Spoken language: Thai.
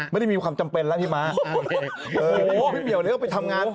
ไม่ได้มีความจำเป็นแล้วพี่ม้าโอเคโอ้โหพี่เหมียวเดี๋ยวเข้าไปทำงาน